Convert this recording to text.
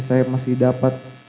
saya masih dapat